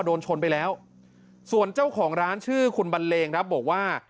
โดนชนไปแล้วส่วนเจ้าของร้านชื่อคุณบันเลงครับบอกว่า